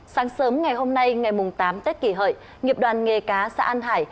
sáng sớm ngày hôm nay ngày tám tết kỷ hợi nghiệp đoàn nghề cá xã an hải